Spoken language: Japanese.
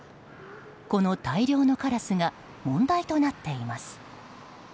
この大量のカラスが問題となっています。